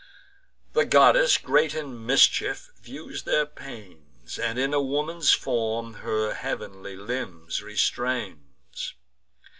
The goddess, great in mischief, views their pains, And in a woman's form her heav'nly limbs restrains.